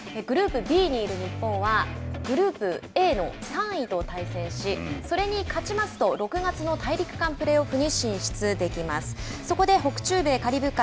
グループＢにいる日本はグループＡの３位と対戦しそれに勝ちますと６月の大陸間プレーオフに進出できます。